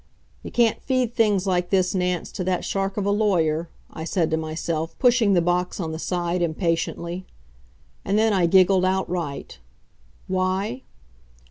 "You can't feed things like this, Nance, to that shark of a lawyer," I said to myself, pushing the box on the side impatiently. And then I giggled outright. Why?